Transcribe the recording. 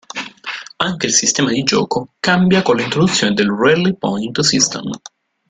Anche il sistema di gioco cambia con l'introduzione del "Rally Point System".